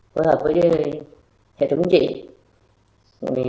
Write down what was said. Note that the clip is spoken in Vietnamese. phối hợp với hệ thống chính trị